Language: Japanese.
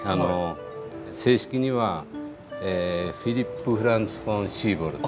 正式にはフィリップ・フランツ・フォン・シーボルト。